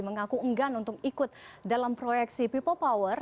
mengaku enggan untuk ikut dalam proyeksi people power